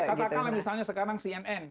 katakanlah misalnya sekarang cnn